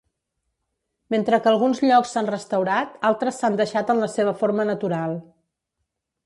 Mentre que alguns llocs s'han restaurat, altres s'han deixat en la seva forma natural.